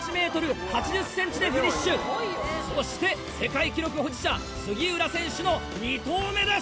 でフィニッシュそして世界記録保持者杉浦選手の２投目です。